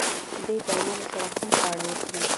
دې درملو سره کوم خواړه وخورم؟